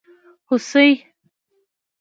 🦌 هوسي